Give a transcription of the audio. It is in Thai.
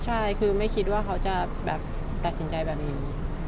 ใช่คือไม่คิดว่าเขาจะแบบตัดสินใจแบบนี้